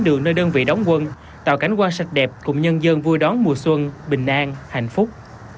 đường nơi đơn vị đóng quân tạo cảnh quan sạch đẹp cùng nhân dân vui đón mùa xuân bình an hạnh phúc